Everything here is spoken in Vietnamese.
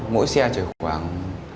mỗi xe chạy khoảng